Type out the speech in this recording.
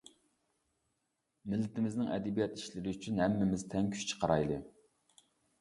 مىللىتىمىزنىڭ ئەدەبىيات ئىشلىرى ئۈچۈن ھەممىمىز تەڭ كۈچ چىقىرايلى!